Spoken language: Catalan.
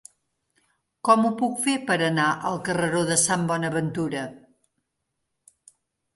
Com ho puc fer per anar al carreró de Sant Bonaventura?